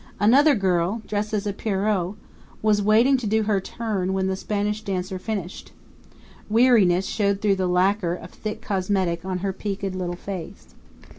Another girl, dressed as a pierrot, was waiting to do her turn when the Spanish dancer finished. Weariness showed through the lacquer of thick cosmetic on her peaked little face.